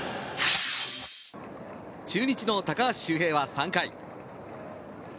中日の高橋周平は３回。